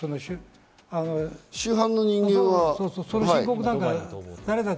主犯の人間は。